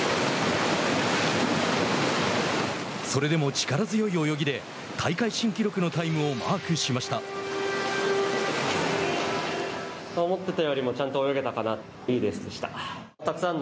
それでも力強い泳ぎで大会新記録のタイムをマークしました。